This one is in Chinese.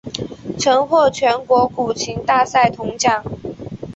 曾获全国古琴大赛铜奖。